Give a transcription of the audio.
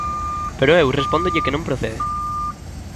Pero eu respóndolle que non procede.